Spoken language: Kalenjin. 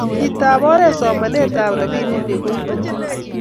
Chitap oree somanet ab rubani ni kiibu mbar?